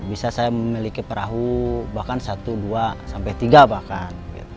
bisa saya memiliki perahu bahkan satu dua sampai tiga bahkan